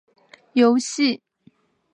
游戏